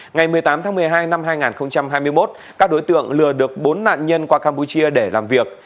ngày một mươi tám tháng một mươi hai năm hai nghìn hai mươi một các đối tượng lừa được bốn nạn nhân qua campuchia để làm việc